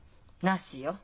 なしよ。